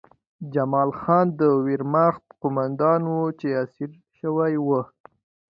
جمال خان د ویرماخت قومندان و چې اسیر شوی و